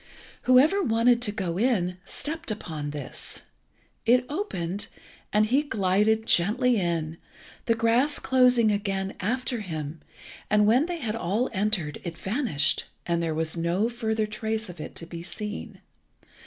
Whoever wanted to go in stepped upon this. It opened, and he glided gently in, the grass closing again after him; and when they had all entered it vanished, and there was no further trace of it to be seen.